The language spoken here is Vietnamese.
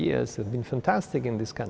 và họ sẽ không mất cơ hội này